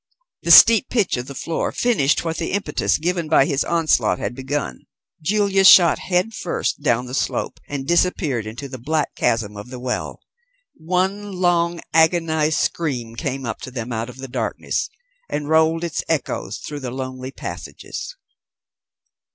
The steep pitch of the floor finished what the impetus given by his onslaught had begun. Julia shot head first down the slope, and disappeared into the black chasm of the well. One long agonized scream came up to them out of the darkness, and rolled its echoes through the lonely passages.